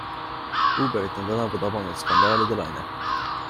Uberit on tänavu tabanud skandaalide laine.